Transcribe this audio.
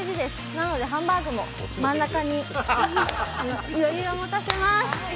なので、ハンバーグも真ん中に余裕を持たせまーす。